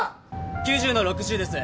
９０の６０です。